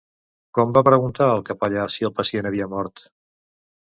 Com va preguntar al capellà si el pacient havia mort?